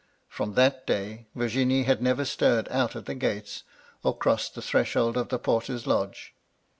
From that day, Virginie had never stirred out of the gates, or crossed the threshold of the porter's lodge.